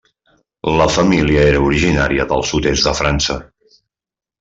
La família era originària del sud-est de França.